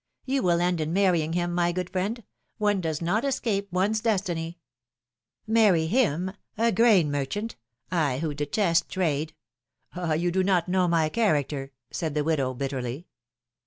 You will end in marrying him, my good friend ; one does not escape one's destiny !" Marry him I a grain merchant ! I, who detest trade ! Ah ! you do not know my character !" said the widow, bitterly.